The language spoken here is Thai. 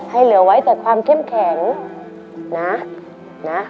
เหลือไว้แต่ความเข้มแข็งนะนะ